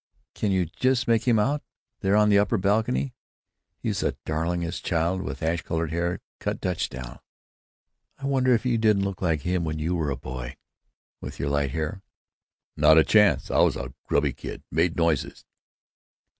You can just make him out, there on the upper balcony. He is the darlingest child, with ash blond hair cut Dutch style. I wonder if you didn't look like him when you were a boy, with your light hair?" "Not a chance. I was a grubby kid. Made noises....